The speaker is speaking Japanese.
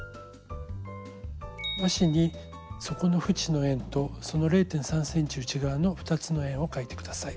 和紙に底のふちの円とその０．３ｃｍ内側の２つの円を描いて下さい。